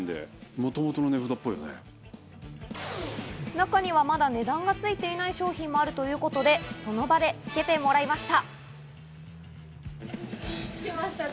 中には、まだ値段がついていない商品もあるということで、その場でつけてもらいました。